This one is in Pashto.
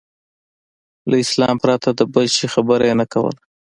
له اسلام پرته د بل شي خبره یې نه کوله.